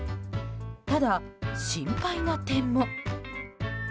ただ、心配な点も。